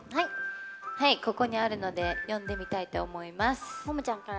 ここにあるので読んでみたいと思います。